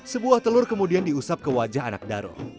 sebuah telur kemudian diusap ke wajah anak daro